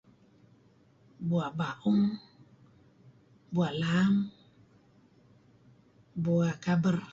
BUa' Baung, Bua' Laam, Bua' Kaber.